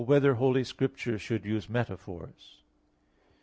9] Whether Holy Scripture Should Use Metaphors?